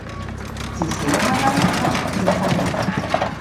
至少慳返好多行政費用